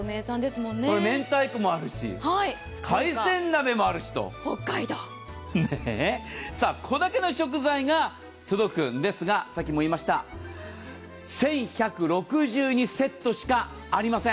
明太子もあるし、海鮮鍋もあるしとこれだけの食材が届くんですが、さっきも言いました、１１６２セットしかありません。